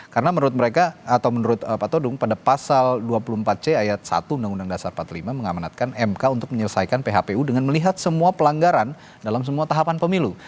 karena menurut mereka atau menurut pak todung pada pasal dua puluh empat c ayat satu undang undang dasar empat puluh lima mengamanatkan mk untuk menyelesaikan phpu dengan melihat semua pelanggaran dalam semua tahapan pemilu